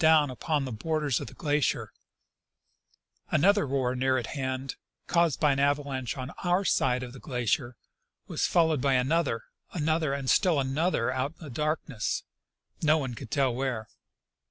125 doAvn upon the borders of the glacier ; another roar near at hand, caused by an avalanche on our own side of the glacier, was fol lowed by another, another, and still another out in the darkness, no one could tell where.